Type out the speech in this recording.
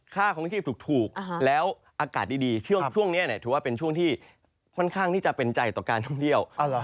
ค่าคลองชีพถูกแล้วอากาศดีช่วงนี้ถือว่าเป็นช่วงที่ค่อนข้างที่จะเป็นใจต่อการท่องเที่ยว